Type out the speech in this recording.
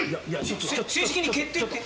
正式に決定って。